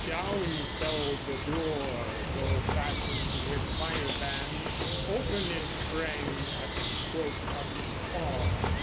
Down fell the door, though fastened with fire bands; Open it sprang at the stroke of his paw.